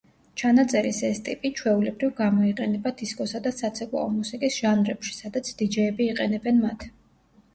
ჩანაწერის ეს ტიპი, ჩვეულებრივ, გამოიყენება დისკოსა და საცეკვაო მუსიკის ჟანრებში, სადაც დიჯეები იყენებენ მათ.